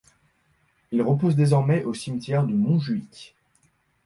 Il repose désormais au cimetière de Montjuïc.